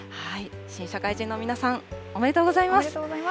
新社会人の皆さん、おめでとうございます。